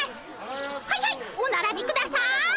はいはいおならびください。